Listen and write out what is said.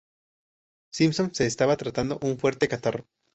Simpson se estaba tratando un fuerte catarro.